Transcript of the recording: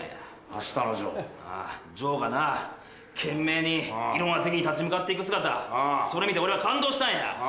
ああ丈がな懸命にいろんな敵に立ち向かって行く姿それ見て俺は感動したんや！